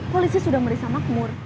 polisi sudah melihat makmur